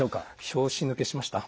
拍子抜けしました？